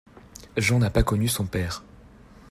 Jean n’a pas connu son père.